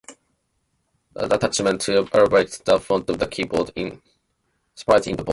The attachment to elevate the front of the keyboard is separate in the box.